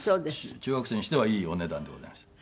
中学生にしてはいいお値段でございました。